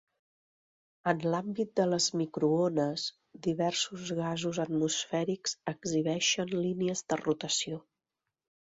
En l'àmbit de les microones, diversos gasos atmosfèrics exhibeixen línies de rotació.